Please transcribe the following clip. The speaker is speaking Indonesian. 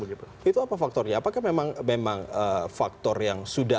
itu apa faktornya apakah memang faktor yang sudah